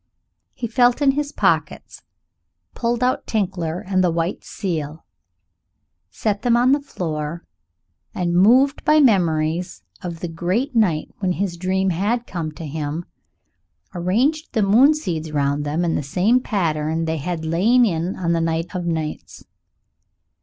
He felt in his pockets, pulled out Tinkler and the white seal, set them on the floor, and, moved by memories of the great night when his dream had come to him, arranged the moon seeds round them in the same pattern that they had lain in on that night of nights.